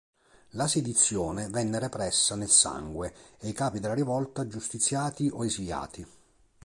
La sedizione venne repressa nel sangue e i capi della rivolta giustiziati o esiliati.